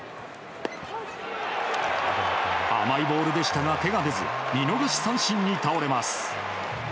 甘いボールでしたが手が出ず見逃し三振に倒れます。